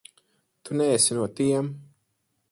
Tu neesi no tiem.